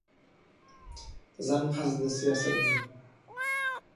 دەزانم حەزت لە سیاسەت نییە.